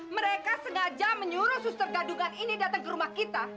mereka sengaja menyuruh suster gadungan ini datang ke rumah kita